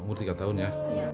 umur tiga tahun ya